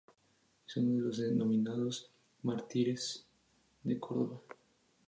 Es uno de los denominados Mártires de Córdoba.